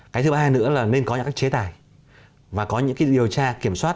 cái thứ hai nữa là nên có những cái chế tài và có những cái điều tra kiểm soát